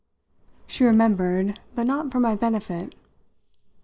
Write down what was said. She remembered, but not for my benefit.